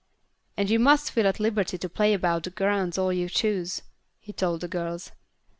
"And you must feel at liberty to play about the grounds all you choose," he told the girls.